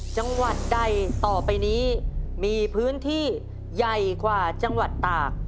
จังหวัดใดต่อไปนี้มีพื้นที่ใหญ่กว่าจังหวัดตาก